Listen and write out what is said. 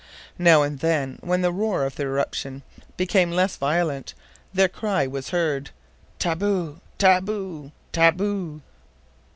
Now and then, when the roar of the eruption became less violent, their cry was heard: "Taboo! taboo! taboo!"